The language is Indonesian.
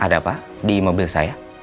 ada apa di mobil saya